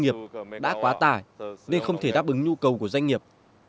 nghiệp đã quá tải nên không thể đáp ứng nhu cầu của doanh nghiệp